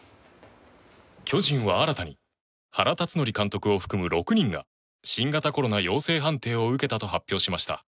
巨人は新たに原辰徳監督を含む６人が新型コロナ陽性判定を受けたと発表しました。